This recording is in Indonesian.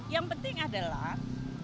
yang penting adalah